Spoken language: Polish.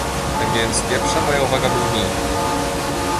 Tak więc pierwsza moja uwaga brzmi